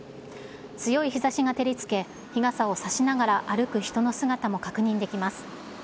強い日ざしが照りつけ、日傘を差しながら歩く人の姿も確認できます。